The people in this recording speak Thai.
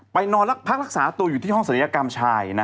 นอนพักรักษาตัวอยู่ที่ห้องศัลยกรรมชาย